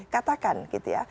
katakan gitu ya